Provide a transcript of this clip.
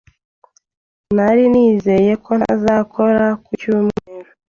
Nari nizeye ko ntazakora ku cyumweru.